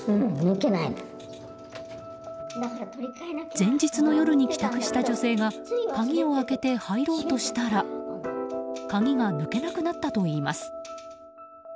前日の夜に帰宅した女性が鍵を開けて入ろうとしたら鍵が抜けなくなったといいます。